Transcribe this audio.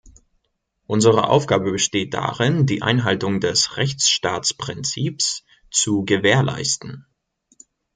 Unsere Aufgabe besteht darin, die Einhaltung des Rechtsstaatsprinzips zu gewährleisten.